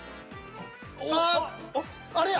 あああれや！